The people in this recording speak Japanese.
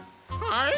はい！